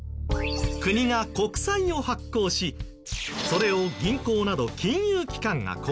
国が国債を発行しそれを銀行など金融機関が購入する。